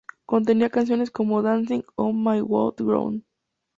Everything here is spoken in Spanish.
Contenía canciones como "Dancing on My Own Ground".